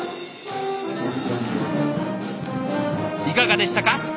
いかがでしたか。